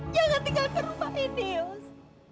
jangan tinggalkan rumah ini yos